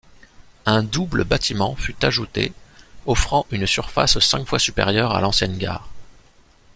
Un double bâtiment fut ajouté offrant une surface cinq fois supérieure à l'ancienne gare.